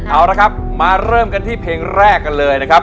เอาละครับมาเริ่มกันที่เพลงแรกกันเลยนะครับ